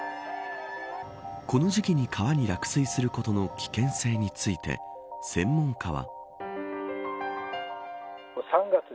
この時期に川に落水することの危険性について専門家は。